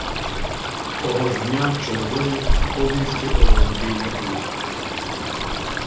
Того ж дня «червоні» повністю оволоділи Алуштою.